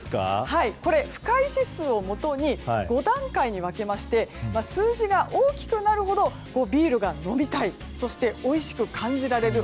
これ、不快指数をもとに５段階に分けまして数字が大きくなるほどビールが飲みたいそして、おいしく感じられる